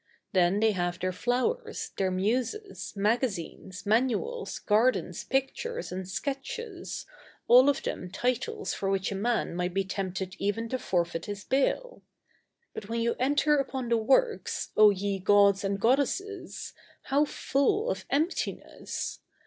Then they have their Flowers, their Muses, Magazines, Manuals, Gardens, Pictures, and Sketches, all of them titles for which a man might be tempted even to forfeit his bail. But when you enter upon the works, O ye Gods and Goddesses! how full of emptiness!